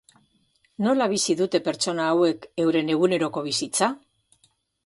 Nola bizi dute pertsona hauek euren eguneroko bizitza?